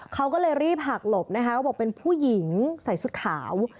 เขาก็เลยรีบหักหลบนะคะเขาบอกเป็นผู้หญิงใส่ชุดขาว